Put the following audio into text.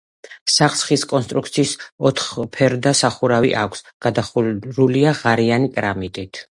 სახლს ხის კონსტრუქციის ოთხფერდა სახურავი აქვს, გადახურულია ღარიანი კრამიტით.